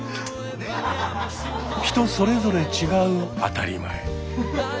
人それぞれ違う「当たり前」。